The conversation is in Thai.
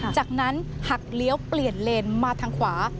จากนั้นหักเลี้ยวเปลี่ยนเลนมาทางขวา